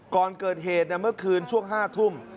ก่อนเกิดเหตุเมื่อคืนช่วง๕ทุ่ม